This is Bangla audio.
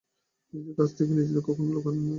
নিজের কাছে থেকে কি নিজেকে কখনও লুকানো যাও?